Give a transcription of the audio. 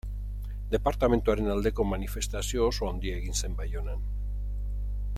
Departamenduaren aldeko manifestazio oso handia egin zen Baionan.